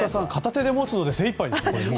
片手で持つのに精いっぱい。